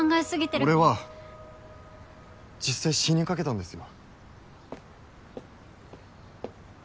俺は実際死にかけたんですよ。